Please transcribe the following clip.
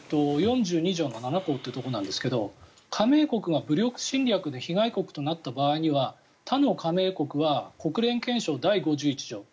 ４２条の７項というところですが加盟国が武力侵略の被害国となった場合には他の加盟国は国連憲章第５１条